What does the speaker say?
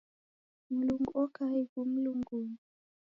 Mlungu oka aighu mlungunyi.